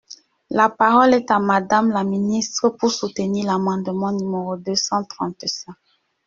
La parole est à Madame la ministre, pour soutenir l’amendement numéro deux cent trente-cinq.